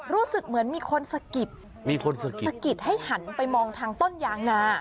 รู้สึกเหมือนมีคนสะกิดมีคนสะกิดสะกิดให้หันไปมองทางต้นยางนา